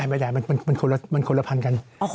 ไม่ได้มันคนละพันกัน